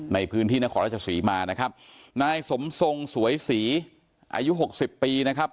ในพื้นที่นครราชศรีมานะครับนายสมทรงสวยศรีอายุหกสิบปีนะครับ